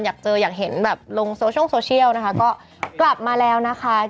อยากเจออยากเห็นแบบลงโซเชียลนะคะก็กลับมาแล้วนะคะ